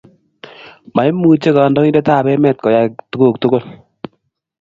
maimuche kandointeab emet koyai tokuk tukul